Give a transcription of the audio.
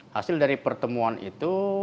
hasil dari pertemuan itu